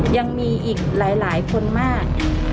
ยังมีอีกหลายคนมาก